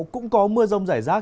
cũng có mưa rông rải rác